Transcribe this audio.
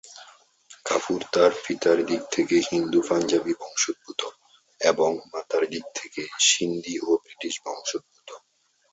কাপুর তার পিতার দিক থেকে হিন্দু পাঞ্জাবি বংশোদ্ভূত এবং মাতার দিক থেকে সিন্ধি ও ব্রিটিশ বংশোদ্ভূত।